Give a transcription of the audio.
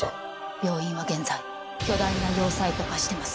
病院は現在巨大な要塞と化してます。